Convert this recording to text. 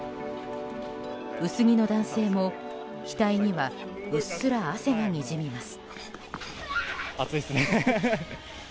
薄着の男性も額にはうっすら汗がにじみます。